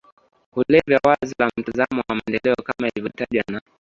kulevya Wazo la mtazamo wa maendeleo kama ilivyotajwa na